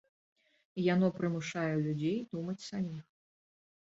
Яно прымушае людзей думаць саміх.